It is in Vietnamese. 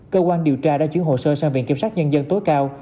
cơ quan điều tra đã chuyển hồ sơ sang viện kiểm sát nhân dân tối cao